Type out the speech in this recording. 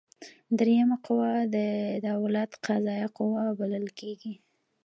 دریمه قوه د دولت قضاییه قوه بلل کیږي.